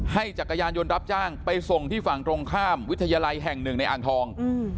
จักรยานยนต์รับจ้างไปส่งที่ฝั่งตรงข้ามวิทยาลัยแห่งหนึ่งในอ่างทอง